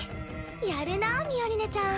やるなぁミオリネちゃん。